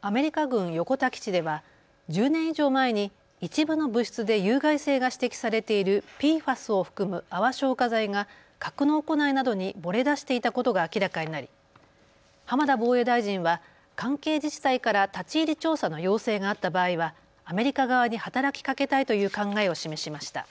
アメリカ軍横田基地では１０年以上前に一部の物質で有害性が指摘されているＰＦＡＳを含む泡消火剤が格納庫内などに漏れ出していたことが明らかになり浜田防衛大臣は関係自治体から立ち入り調査の要請があった場合はアメリカ側に働きかけたいという考えを示しました。